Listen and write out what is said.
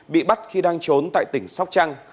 bị bắt khi đang trốn tại tỉnh sóc trăng